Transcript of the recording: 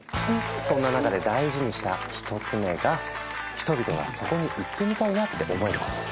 そんな中で大事にした１つ目が「人々がそこに行ってみたいな」って思えること。